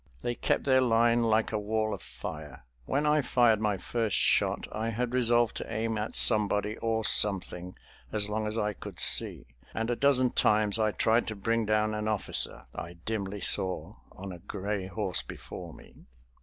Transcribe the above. They kept their line like a wall of fire. When I fired my first shot I had resolved to aim at somebody or something as long as I could see, and a dozen times I tried to bring down an officer I dimly saw on a gray horse before me.